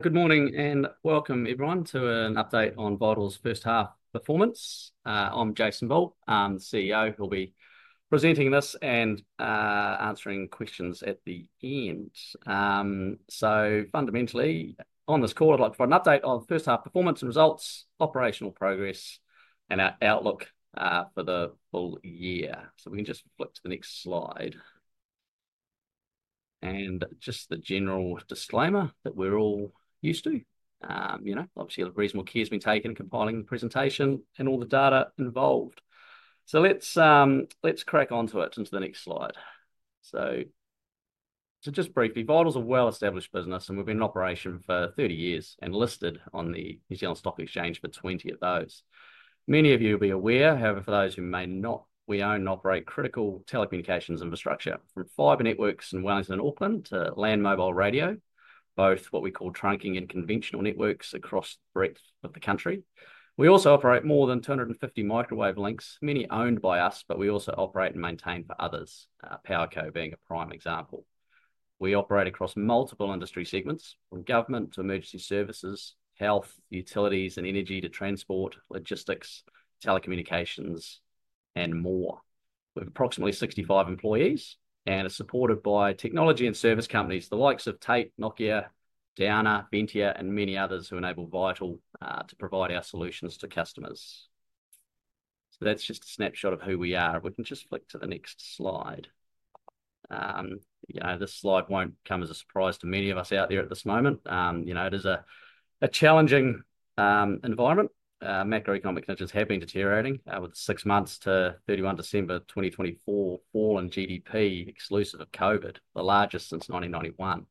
Good morning and welcome, everyone, to an update on Vital's first half performance. I'm Jason Pigott, CEO, who will be presenting this and answering questions at the end. Fundamentally, on this call, I'd like to provide an update on first half performance and results, operational progress, and our outlook for the full year. We can just flip to the next slide. Just the general disclaimer that we're all used to, you know, obviously a reasonable care has been taken in compiling the presentation and all the data involved. Let's crack onto it into the next slide. Just briefly, Vital's a well-established business, and we've been in operation for 30 years and listed on the New Zealand Stock Exchange for 20 of those. Many of you will be aware, however, for those who may not, we own and operate critical telecommunications infrastructure from fiber networks in Wellington and Auckland to land mobile radio, both what we call trunking and conventional networks across the breadth of the country. We also operate more than 250 microwave links, many owned by us, but we also operate and maintain for others, Powerco being a prime example. We operate across multiple industry segments, from government to emergency services, health, utilities, and energy to transport, logistics, telecommunications, and more. We have approximately 65 employees and are supported by technology and service companies the likes of Tait, Nokia, Downer, Ventia, and many others who enable Vital to provide our solutions to customers. That is just a snapshot of who we are. We can just flip to the next slide. You know, this slide won't come as a surprise to many of us out there at this moment. You know, it is a challenging environment. Macroeconomic conditions have been deteriorating with six months to 31 December 2024 fall in GDP exclusive of COVID, the largest since 1991.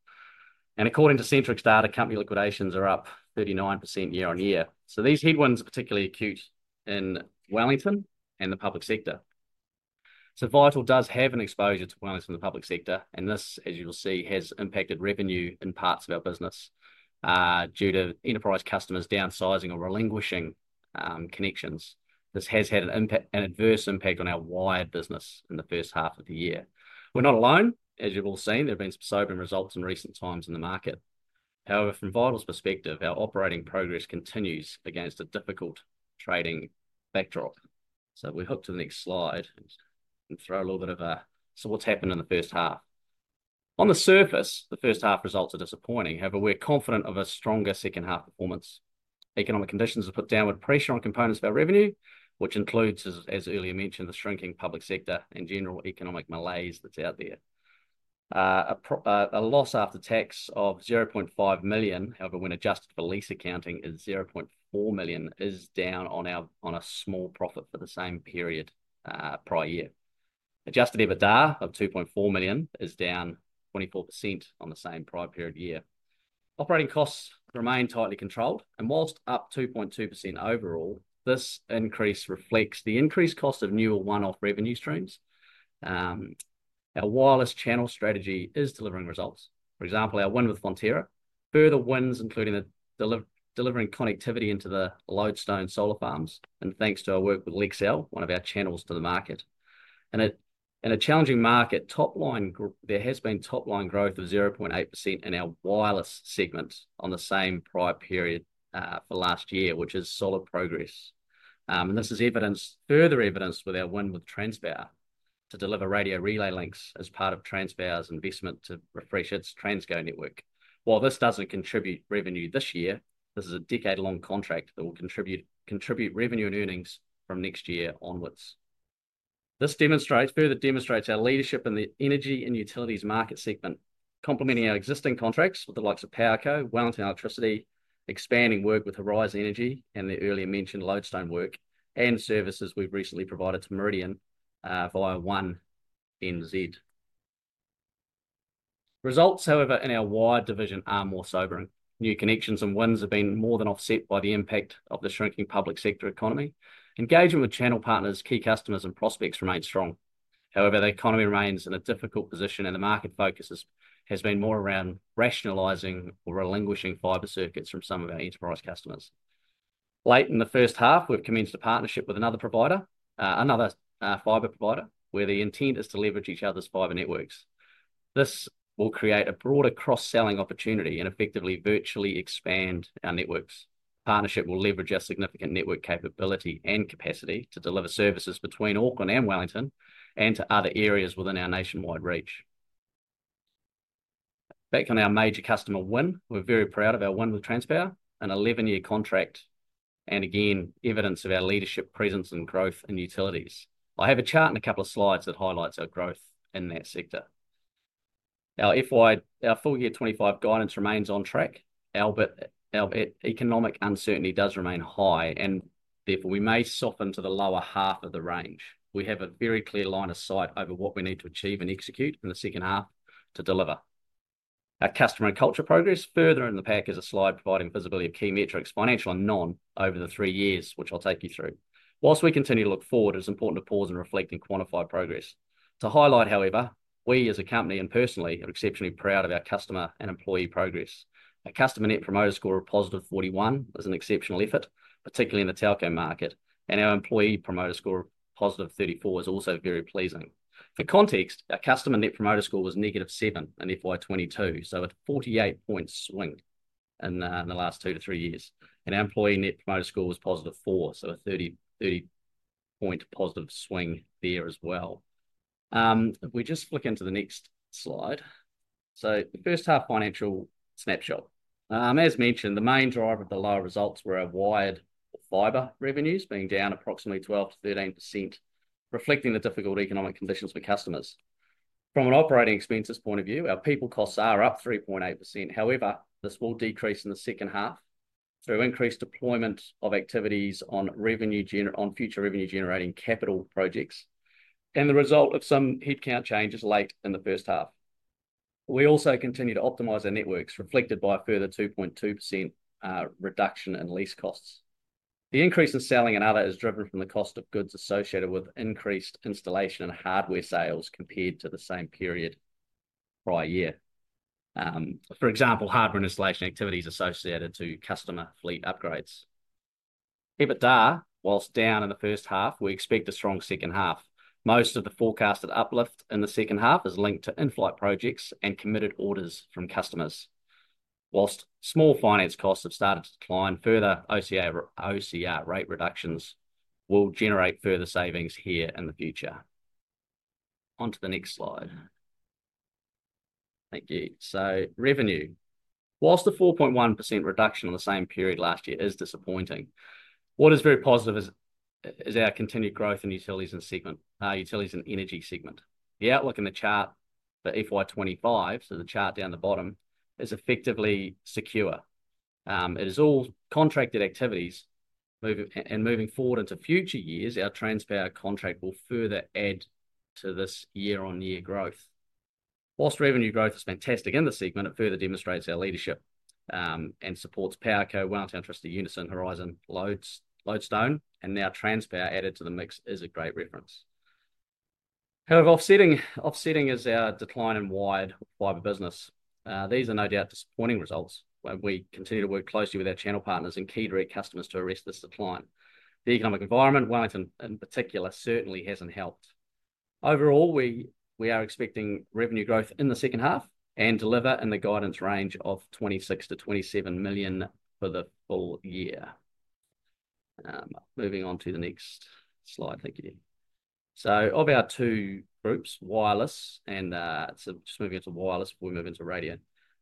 According to Centrix's data, company liquidations are up 39% year on year. These headwinds are particularly acute in Wellington and the public sector. Vital does have an exposure to Wellington and the public sector, and this, as you will see, has impacted revenue in parts of our business due to enterprise customers downsizing or relinquishing connections. This has had an adverse impact on our wide business in the first half of the year. We're not alone, as you've all seen. There have been some sobering results in recent times in the market. However, from Vital's perspective, our operating progress continues against a difficult trading backdrop. If we hook to the next slide and throw a little bit of a, so what's happened in the first half? On the surface, the first half results are disappointing. However, we're confident of a stronger second half performance. Economic conditions have put downward pressure on components of our revenue, which includes, as earlier mentioned, the shrinking public sector and general economic malaise that's out there. A loss after tax of $500,000, however, when adjusted for lease accounting, is $400,000, is down on a small profit for the same period prior year. Adjusted EBITDA of $2.4 million is down 24% on the same prior period year. Operating costs remain tightly controlled, and whilst up 2.2% overall, this increase reflects the increased cost of newer one-off revenue streams. Our wireless channel strategy is delivering results. For example, our win with Fonterra, further wins, including delivering connectivity into the Lodestone solar farms, and thanks to our work with Lexel, one of our channels to the market. In a challenging market, there has been top-line growth of 0.8% in our wireless segment on the same prior period for last year, which is solid progress. This is further evidenced with our win with Transpower to deliver radio relay links as part of Transpower's investment to refresh its TransGo network. While this doesn't contribute revenue this year, this is a decade-long contract that will contribute revenue and earnings from next year onwards. This further demonstrates our leadership in the energy and utilities market segment, complementing our existing contracts with the likes of Powerco, Wellington Electricity, expanding work with Horizon Energy and the earlier mentioned Lodestone work and services we've recently provided to Meridian via One New Zealand. Results, however, in our wide division are more sobering. New connections and wins have been more than offset by the impact of the shrinking public sector economy. Engagement with channel partners, key customers, and prospects remains strong. However, the economy remains in a difficult position, and the market focus has been more around rationalizing or relinquishing fiber circuits from some of our enterprise customers. Late in the first half, we've commenced a partnership with another provider, another fiber provider, where the intent is to leverage each other's fiber networks. This will create a broader cross-selling opportunity and effectively virtually expand our networks. The partnership will leverage our significant network capability and capacity to deliver services between Auckland and Wellington and to other areas within our nationwide reach. Back on our major customer win, we're very proud of our win with Transpower and an 11-year contract, and again, evidence of our leadership presence and growth in utilities. I have a chart and a couple of slides that highlights our growth in that sector. Our full year 2025 guidance remains on track, but economic uncertainty does remain high, and therefore we may soften to the lower half of the range. We have a very clear line of sight over what we need to achieve and execute in the second half to deliver. Our customer and culture progress further in the pack is a slide providing visibility of key metrics, financial and non, over the three years, which I'll take you through. Whilst we continue to look forward, it is important to pause and reflect on quantified progress. To highlight, however, we as a company and personally are exceptionally proud of our customer and employee progress. Our customer Net Promoter Score of positive 41 is an exceptional effort, particularly in the telco market, and our employee promoter score of positive 34 is also very pleasing. For context, our customer Net Promoter Score was negative 7 in FY2022, so a 48-point swing in the last two to three years. Our employee Net Promoter Score was positive 4, so a 30-point positive swing there as well. If we just flick into the next slide. The first half financial snapshot. As mentioned, the main driver of the lower results were our wired fiber revenues being down approximately 12-13%, reflecting the difficult economic conditions for customers. From an operating expenses point of view, our people costs are up 3.8%. However, this will decrease in the second half through increased deployment of activities on future revenue-generating capital projects and the result of some headcount changes late in the first half. We also continue to optimize our networks, reflected by a further 2.2% reduction in lease costs. The increase in selling and other is driven from the cost of goods associated with increased installation and hardware sales compared to the same period prior year. For example, hardware installation activities associated to customer fleet upgrades. EBITDA, whilst down in the first half, we expect a strong second half. Most of the forecasted uplift in the second half is linked to in-flight projects and committed orders from customers. Whilst small finance costs have started to decline, further OCR rate reductions will generate further savings here in the future. Onto the next slide. Thank you. Revenue. Whilst the 4.1% reduction in the same period last year is disappointing, what is very positive is our continued growth in utilities and utilities and energy segment. The outlook in the chart for FY25, so the chart down the bottom, is effectively secure. It is all contracted activities, and moving forward into future years, our Transpower contract will further add to this year-on-year growth. Whilst revenue growth is fantastic in the segment, it further demonstrates our leadership and supports Powerco, Wellington Electricity, Unison, Horizon, Lodestone, and now Transpower added to the mix is a great reference. However, offsetting is our decline in wired fiber business. These are no doubt disappointing results when we continue to work closely with our channel partners and key direct customers to arrest this decline. The economic environment, Wellington in particular, certainly hasn't helped. Overall, we are expecting revenue growth in the second half and deliver in the guidance range of $26 million-$27 million for the full year. Moving on to the next slide. Thank you. Of our two groups, wireless, and just moving into wireless before we move into radio.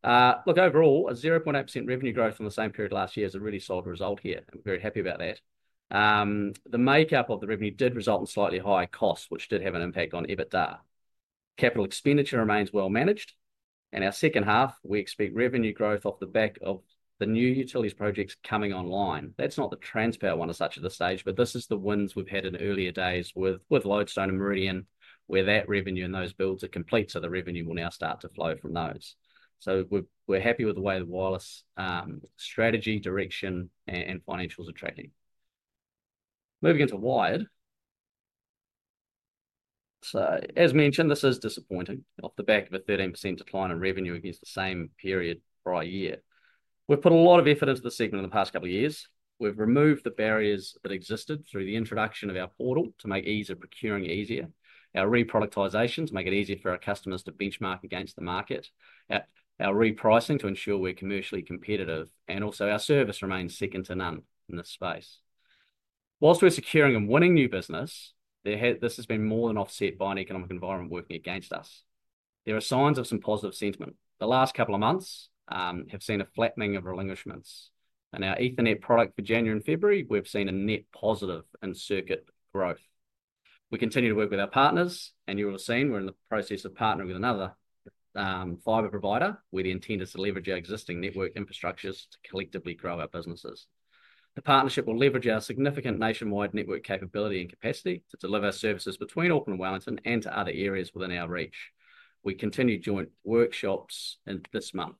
Look, overall, a 0.8% revenue growth in the same period last year is a really solid result here, and we're very happy about that. The makeup of the revenue did result in slightly higher costs, which did have an impact on EBITDA. Capital expenditure remains well managed, and our second half, we expect revenue growth off the back of the new utilities projects coming online. That's not the Transpower one as such at this stage, but this is the wins we've had in earlier days with Lodestone and Meridian, where that revenue and those builds are complete, so the revenue will now start to flow from those. We're happy with the way the wireless strategy, direction, and financials are tracking. Moving into wired. As mentioned, this is disappointing off the back of a 13% decline in revenue against the same period prior year. We've put a lot of effort into the segment in the past couple of years. We've removed the barriers that existed through the introduction of our portal to make ease of procuring easier, our reproductization to make it easier for our customers to benchmark against the market, our repricing to ensure we're commercially competitive, and also our service remains second to none in this space. Whilst we're securing and winning new business, this has been more than offset by an economic environment working against us. There are signs of some positive sentiment. The last couple of months have seen a flattening of relinquishments, and our Ethernet product for January and February, we've seen a net positive in circuit growth. We continue to work with our partners, and you will have seen we're in the process of partnering with another fiber provider where the intent is to leverage our existing network infrastructures to collectively grow our businesses. The partnership will leverage our significant nationwide network capability and capacity to deliver services between Auckland and Wellington and to other areas within our reach. We continue joint workshops this month.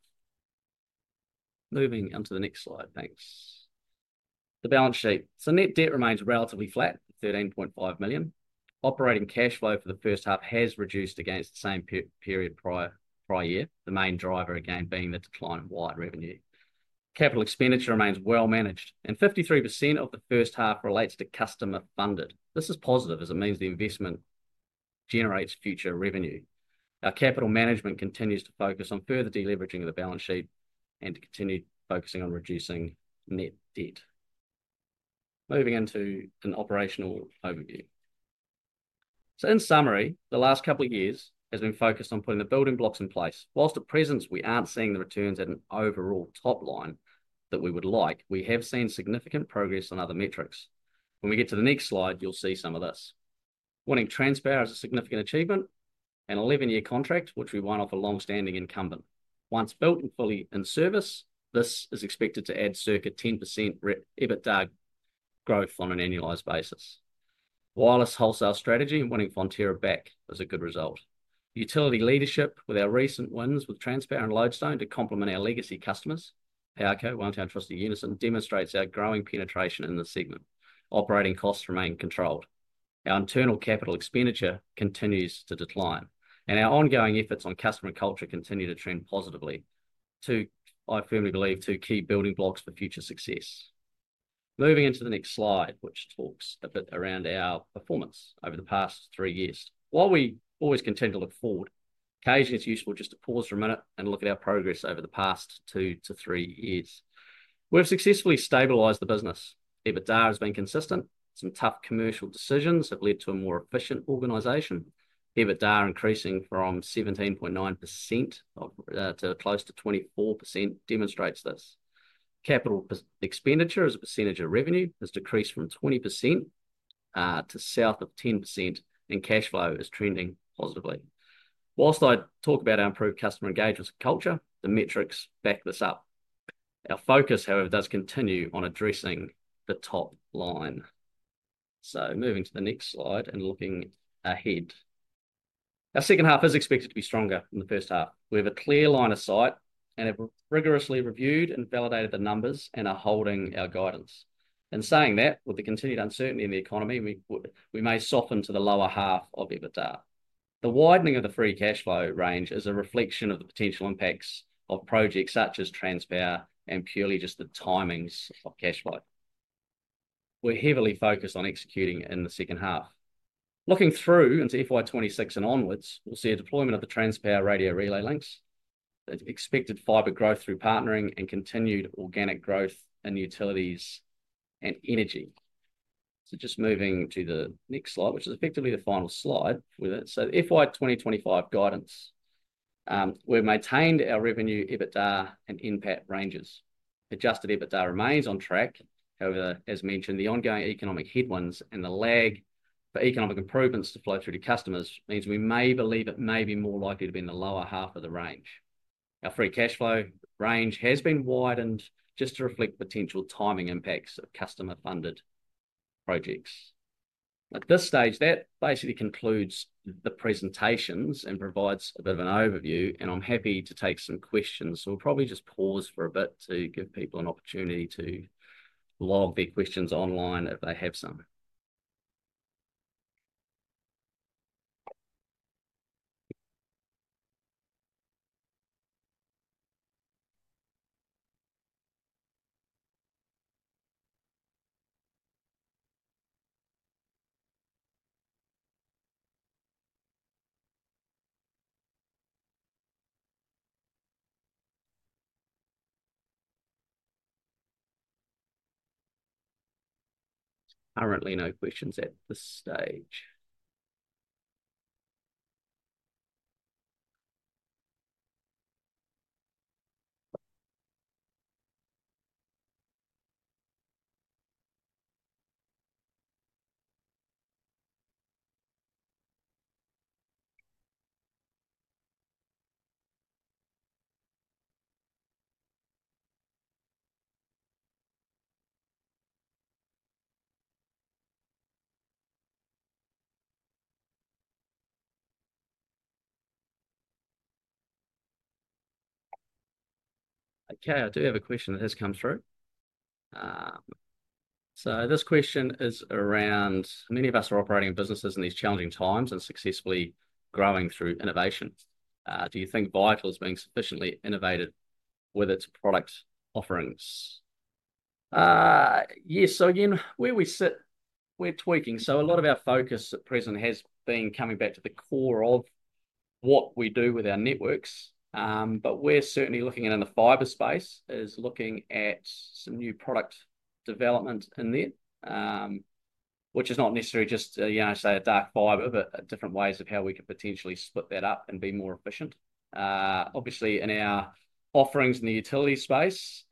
Moving on to the next slide. Thanks. The balance sheet. Net debt remains relatively flat, $13.5 million. Operating cash flow for the first half has reduced against the same period prior year, the main driver again being the decline in wired revenue. Capital expenditure remains well managed, and 53% of the first half relates to customer funded. This is positive as it means the investment generates future revenue. Our capital management continues to focus on further deleveraging of the balance sheet and to continue focusing on reducing net debt. Moving into an operational overview. In summary, the last couple of years has been focused on putting the building blocks in place. Whilst at present, we aren't seeing the returns at an overall top line that we would like, we have seen significant progress on other metrics. When we get to the next slide, you'll see some of this. Winning Transpower is a significant achievement, an 11-year contract which we won off a long-standing incumbent. Once built and fully in service, this is expected to add circa 10% EBITDA growth on an annualized basis. Wireless wholesale strategy and winning Fonterra back is a good result. Utility leadership with our recent wins with Transpower and Lodestone to complement our legacy customers, Powerco, Wellington Electricity, Unison, demonstrates our growing penetration in the segment. Operating costs remain controlled. Our internal capital expenditure continues to decline, and our ongoing efforts on customer culture continue to trend positively, I firmly believe, to key building blocks for future success. Moving into the next slide, which talks a bit around our performance over the past three years. While we always continue to look forward, occasionally it's useful just to pause for a minute and look at our progress over the past two to three years. We've successfully stabilized the business. EBITDA has been consistent. Some tough commercial decisions have led to a more efficient organization. EBITDA increasing from 17.9% to close to 24% demonstrates this. Capital expenditure as a percentage of revenue has decreased from 20% to south of 10%, and cash flow is trending positively. Whilst I talk about our improved customer engagement culture, the metrics back this up. Our focus, however, does continue on addressing the top line. Moving to the next slide and looking ahead. Our second half is expected to be stronger than the first half. We have a clear line of sight and have rigorously reviewed and validated the numbers and are holding our guidance. In saying that, with the continued uncertainty in the economy, we may soften to the lower half of EBITDA. The widening of the free cash flow range is a reflection of the potential impacts of projects such as Transpower and purely just the timings of cash flow. We're heavily focused on executing in the second half. Looking through into FY2026 and onwards, we'll see a deployment of the Transpower radio relay links, expected fiber growth through partnering and continued organic growth in utilities and energy. Moving to the next slide, which is effectively the final slide with it. FY2025 guidance, we've maintained our revenue, EBITDA, and impact ranges. Adjusted EBITDA remains on track. However, as mentioned, the ongoing economic headwinds and the lag for economic improvements to flow through to customers means we may believe it may be more likely to be in the lower half of the range. Our free cash flow range has been widened just to reflect potential timing impacts of customer-funded projects. At this stage, that basically concludes the presentations and provides a bit of an overview, and I'm happy to take some questions. We'll probably just pause for a bit to give people an opportunity to log their questions online if they have some. Currently, no questions at this stage. Okay, I do have a question that has come through. This question is around, many of us are operating businesses in these challenging times and successfully growing through innovation. Do you think Vital is being sufficiently innovated with its product offerings? Yes. Again, where we sit, we're tweaking. A lot of our focus at present has been coming back to the core of what we do with our networks, but we're certainly looking at in the fiber space is looking at some new product development in there, which is not necessarily just, you know, say a dark fiber, but different ways of how we could potentially split that up and be more efficient. Obviously, in our offerings in the utility space,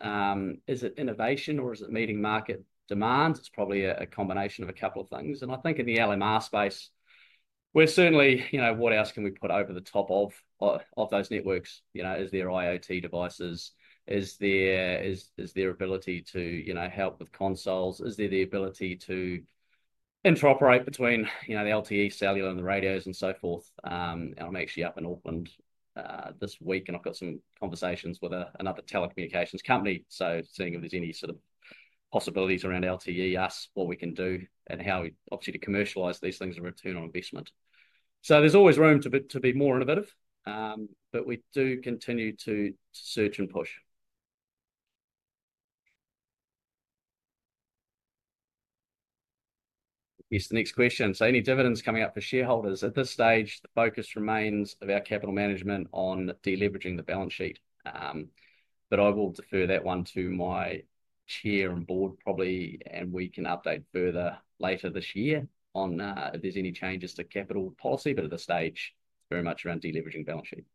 is it innovation or is it meeting market demands? It's probably a combination of a couple of things. I think in the LMR space, we're certainly, you know, what else can we put over the top of those networks? You know, is there IoT devices? Is there is there ability to, you know, help with consoles? Is there the ability to interoperate between, you know, the LTE cellular and the radios and so forth? I'm actually up in Auckland this week, and I've got some conversations with another telecommunications company, seeing if there's any sort of possibilities around LTE, us, what we can do and how we obviously commercialize these things and return on investment. There is always room to be more innovative, but we do continue to search and push. Here's the next question. Any dividends coming up for shareholders? At this stage, the focus remains of our capital management on deleveraging the balance sheet. I will defer that one to my Chair and Board probably, and we can update further later this year on if there's any changes to capital policy. At this stage, very much around deleveraging balance sheet.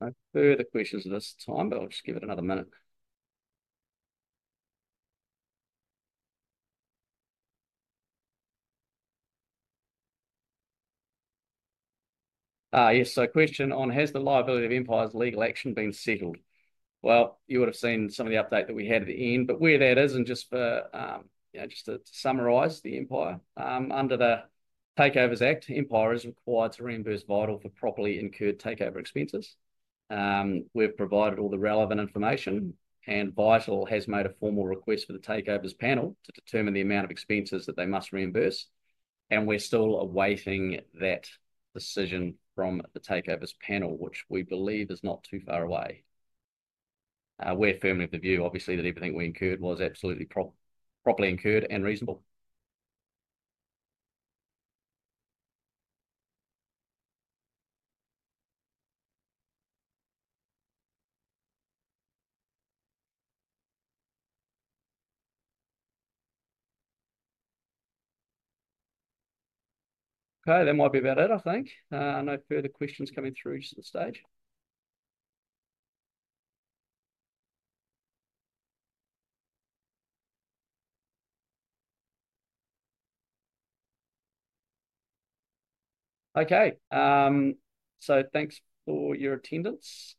No further questions at this time, but I'll just give it another minute. Yes, so a question on, has the liability of Empire's legal action been settled? You would have seen some of the update that we had at the end, but where that is, and just for, you know, just to summarize the Empire, under the Takeovers Act, Empire is required to reimburse Vital for properly incurred takeover expenses. We've provided all the relevant information, and Vital has made a formal request for the Takeovers Panel to determine the amount of expenses that they must reimburse, and we're still awaiting that decision from the Takeovers Panel, which we believe is not too far away. We're firmly of the view, obviously, that everything we incurred was absolutely properly incurred and reasonable. Okay, that might be about it, I think. No further questions coming through at this stage. Okay, so thanks for your attendance.